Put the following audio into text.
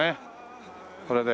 これで。